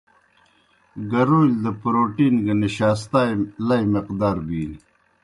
گَرَولِیْ دہ پروٹین گہ نشاستائے لئی مقدار بِینیْ۔